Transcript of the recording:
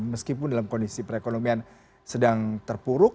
meskipun dalam kondisi perekonomian sedang terpuruk